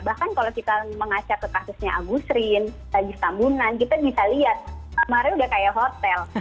bahkan kalau kita mengacar ke kasusnya agusrin tagis tambunan kita bisa lihat kamarnya udah kayak hotel